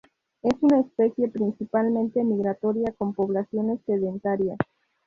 Es una especie parcialmente migratoria, con poblaciones sedentarias.